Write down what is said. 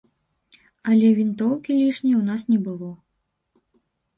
Але вінтоўкі лішняй у нас не было.